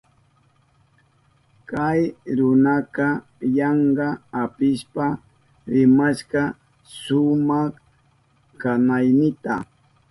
Kay runaka yanka apishpa rimashka shuwa kanaynita.